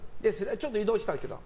ちょっと移動したけど。